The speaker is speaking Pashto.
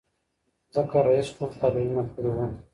ځکه رییس ټول تحلیلونه کړي وو.